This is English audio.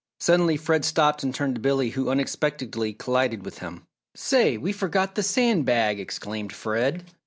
Suddenly Fred stopped and turned to Billy who unexpectedly collided with him. "Say! We forgot the sand bag!" exclaimed Fred.